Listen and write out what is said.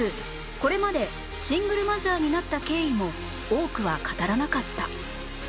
これまでシングルマザーになった経緯も多くは語らなかった